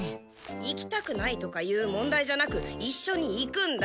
行きたくないとかいう問題じゃなくいっしょに行くんだ。